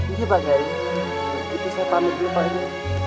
iya pak gari itu saya pamit dulu pak gari